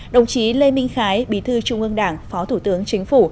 đồng chí lê minh khái bí thư trung ương đảng phó thủ tướng chính phủ